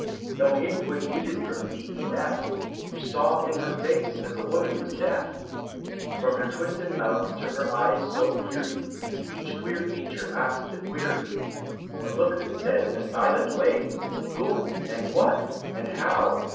No hint was needed from D.E.F. You saw in her face that the woman was deaf; From her twisted mouth to her eyes so peery, Each queer feature asked a query; A look that said in a silent way, "Who? and What? and How?